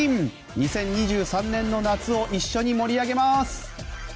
２０２３年の夏を一緒に盛り上げます！